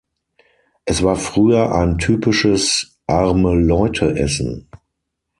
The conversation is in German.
Es war früher ein typisches Arme-Leute-Essen.